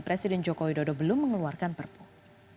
presiden joko widodo belum mengeluarkan perpu